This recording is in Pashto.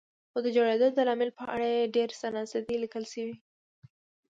خو د جوړېدو د لامل په اړه یې ډېر څه نه دي لیکل شوي.